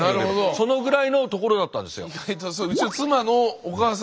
そのぐらいの所だったんですよ。